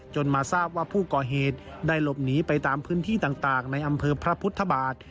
มาทราบว่าผู้ก่อเหตุได้หลบหนีไปตามพื้นที่ต่างในอำเภอพระพุทธบาท